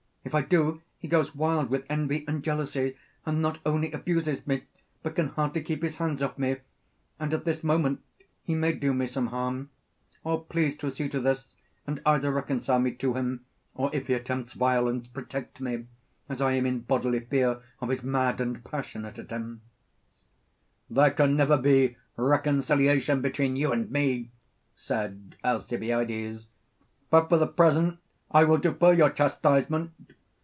If I do, he goes wild with envy and jealousy, and not only abuses me but can hardly keep his hands off me, and at this moment he may do me some harm. Please to see to this, and either reconcile me to him, or, if he attempts violence, protect me, as I am in bodily fear of his mad and passionate attempts. There can never be reconciliation between you and me, said Alcibiades; but for the present I will defer your chastisement.